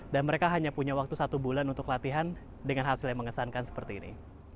dan mereka hanya punya waktu satu bulan untuk latihan dengan hasil yang mengesankan seperti ini